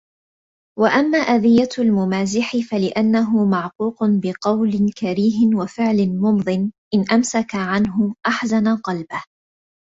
وَأَمَّا أَذِيَّةُ الْمُمَازِحِ فَلِأَنَّهُ مَعْقُوقٌ بِقَوْلٍ كَرِيهٍ وَفِعْلٍ مُمْضٍ إنْ أَمْسَكَ عَنْهُ أَحْزَنَ قَلْبَهُ